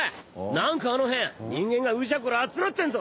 何かあの辺人間がウジャコラ集まってんぞ！